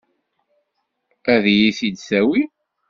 Ad iyi-t-id-tawi?